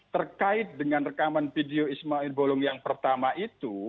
terkait dengan rekaman video ismail bolong yang pertama itu